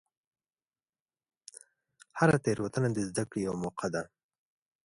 هره تېروتنه د زدهکړې یوه موقع ده.